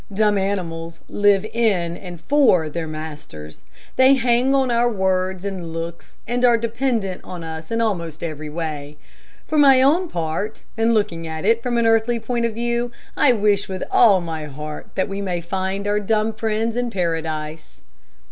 Dumb animals live in and for their masters. They hang on our words and looks, and are dependent on us in almost every way. For my own part, and looking at it from an earthly point of view, I wish with all my heart that we may find our dumb friends in paradise."